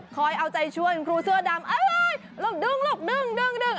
คอยเอาใจชั่วคุณครูเสื้อดำเอ้ยลบดึงลบดึงดึงดึง